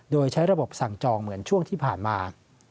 โดยใช้ระบบสั่งจองเหมือนช่วงที่ผ่านมา